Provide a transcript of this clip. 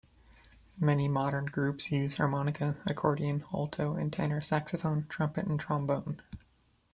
Many modern groups use harmonica, accordion, alto and tenor saxophone, trumpet and trombone.